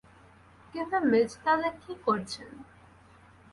কিন্তু মেজদাদা কী করছেন?